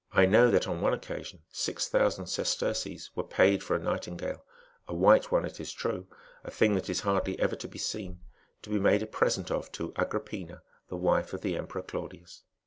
I know that on one occasion six thousand sesterces ^^ were paid for a nightingale, a white one it is true, a thing that is hardly ever to be seen, to be made a present of to Agrippina, the wife of the Emperor Claudius.